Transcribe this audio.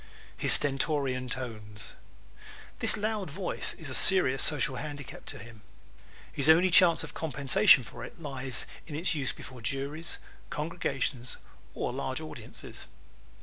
His Stentorian Tones ¶ This loud voice is a serious social handicap to him. His only chance of compensation for it lies in its use before juries, congregations or large audiences.